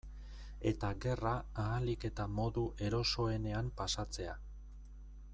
Eta gerra ahalik eta modu erosoenean pasatzea.